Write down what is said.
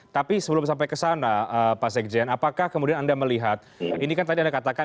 tapi sebelum sampai ke sana pak sekjen apakah kemudian anda melihat ini kan tadi anda katakan